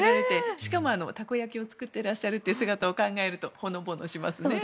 しかもたこ焼きを作ってらっしゃるという姿を考えるとほのぼのしますね。